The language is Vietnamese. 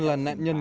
là nạn nhân